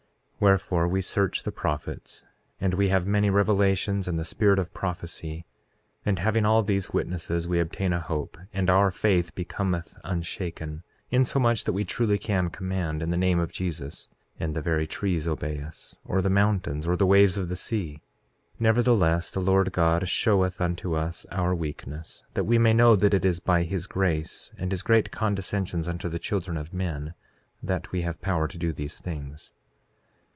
4:6 Wherefore, we search the prophets, and we have many revelations and the spirit of prophecy; and having all these witnesses we obtain a hope, and our faith becometh unshaken, insomuch that we truly can command in the name of Jesus and the very trees obey us, or the mountains, or the waves of the sea. 4:7 Nevertheless, the Lord God showeth us our weakness that we may know that it is by his grace, and his great condescensions unto the children of men, that we have power to do these things.